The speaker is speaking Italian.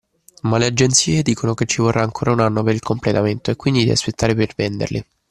Ma le agenzie dicono che ci vorrà ancora un anno per il completamento e quindi di aspettare per venderli.